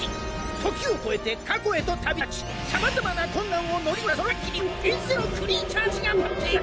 時を超えて過去へと旅立ちさまざまな困難を乗り越えたその先には伝説のクリーチャーたちが待っている。